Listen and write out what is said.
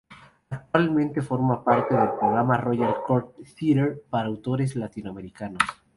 Actualmente forma parte del programa Royal Court Theater para autores latinoamericanos.